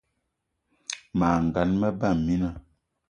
Mas gan, me ba mina.